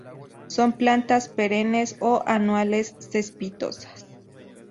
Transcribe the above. Son plantas perennes o anuales, cespitosas.